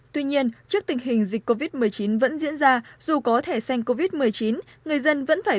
tuy nhiên trước tình hình dịch covid một mươi chín vẫn diễn ra dù có thẻ xanh covid một mươi chín người dân vẫn phải